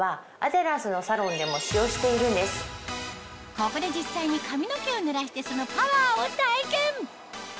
ここで実際に髪の毛を濡らしてそのパワーを体験！